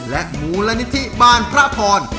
และมูลนิธิบ้านพระพร